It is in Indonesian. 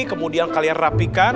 kemudian kalian rapikan